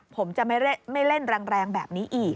ผมจะไม่เล่นแรงแบบนี้อีก